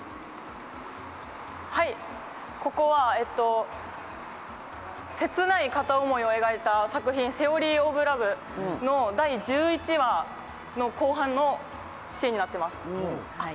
ここは切ない片思いを描いた作品「Ｔｈｅｏｒｙｏｆｌｏｖｅ／セオリー・オブ・ラブ」の第１１話の後半のシーンになっています。